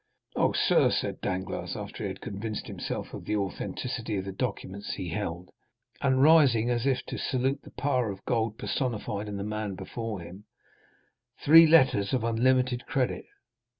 "Oh, sir," said Danglars, after he had convinced himself of the authenticity of the documents he held, and rising as if to salute the power of gold personified in the man before him,—"three letters of unlimited credit!